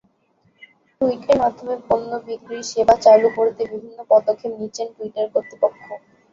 টুইটের মাধ্যমে পণ্য বিক্রির সেবা চালু করতে বিভিন্ন পদক্ষেপ নিচ্ছে টুইটার কর্তৃপক্ষ।